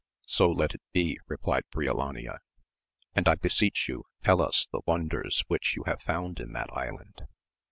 So let it be, replied Briolania, and I beseech you tell us the wonders which you found in that island.